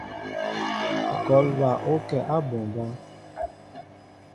Ŋkɔl bal ó kɛ á mɓombá.